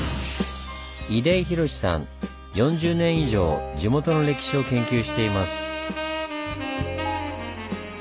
４０年以上地元の歴史を研究しています。